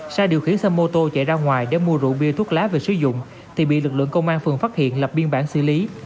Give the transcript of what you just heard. sang điều khiển xe mô tô chạy ra ngoài để mua rượu bia thuốc lá về sử dụng thì bị lực lượng công an phường phát hiện lập biên bản xử lý